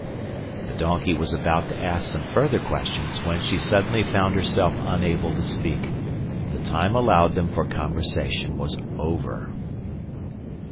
The donkey was about to ask some further questions, when she suddenly found herself unable to speak: the time allowed them for conversation was over.